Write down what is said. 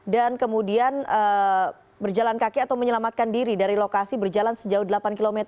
dan kemudian berjalan kaki atau menyelamatkan diri dari lokasi berjalan sejauh delapan km